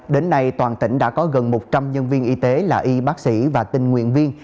đến nay toàn tỉnh đã có gần một trăm linh nhân viên y tế là y bác sĩ và tình nguyện viên